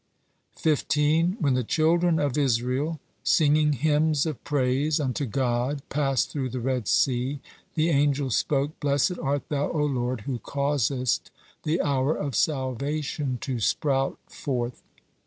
15. When the children of Israel singing hymns of praise unto God passed through the Red Sea, the angels spoke: "Blessed art Thou, O Lord, who causest the hour of salvation to sprout forth."